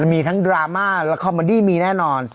มีทั้งดราม่าและคอมเมอดี้มีแน่นอน